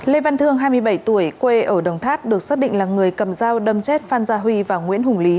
lê văn thương hai mươi bảy tuổi quê ở đồng tháp được xác định là người cầm dao đâm chết phan gia huy và nguyễn hùng lý